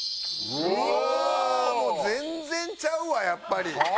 もう全然ちゃうわやっぱり。